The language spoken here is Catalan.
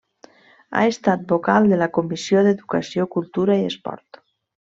Ha estat vocal de la Comissió d'Educació, Cultura i Esport.